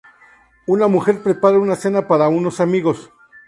Una mujer prepara una cena para unos amigos.